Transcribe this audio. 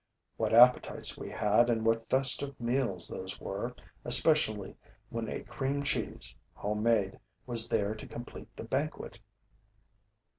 What appetites we had and what festive meals those were, especially when a cream cheese, homemade, was there to complete the banquet!